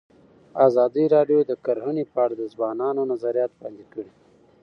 ازادي راډیو د کرهنه په اړه د ځوانانو نظریات وړاندې کړي.